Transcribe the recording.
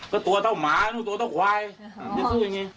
ก็ตัวเท่าหมาตัวเท่าขวายจะสู้อย่างนี้